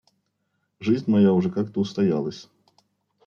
Жизнь моя уже как-то устоялась.